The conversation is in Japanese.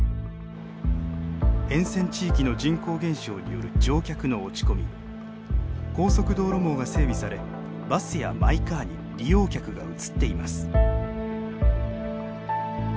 沿線地域の人口減少による乗客の落ち込み高速道路網が整備されバスやマイカーに利用客が移っています。